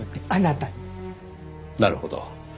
なるほど。